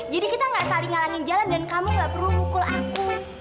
jadi kita gak saling ngalangin jalan dan kamu gak perlu mukul aku